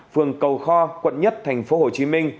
phường cầu kho quận một tp hcm